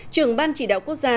trưởng ban chỉ đạo quốc gia